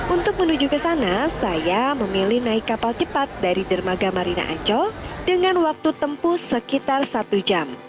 untuk menuju ke sana saya memilih naik kapal cepat dari dermaga marina ancol dengan waktu tempuh sekitar satu jam